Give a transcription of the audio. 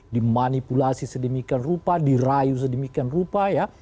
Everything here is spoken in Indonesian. dimanipulasi sedemikian rupa dirayu sedemikian rupa ya